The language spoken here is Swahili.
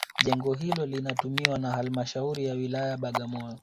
Jengo hilo linatumiwa na halmashauri ya wilaya Bagamoyo